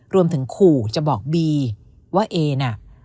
รวมถึงขู่จะบอกบีว่าเอน่ะ